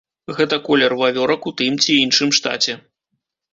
Гэта колер вавёрак у тым ці іншым штаце.